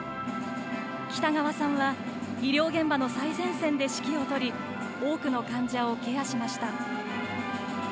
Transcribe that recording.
北川さんは医療現場の最前線で指揮を執り多くの患者をケアしました。